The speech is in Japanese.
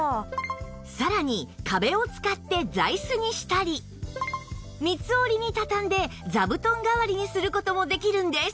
さらに壁を使って座椅子にしたり三つ折りにたたんで座布団代わりにする事もできるんです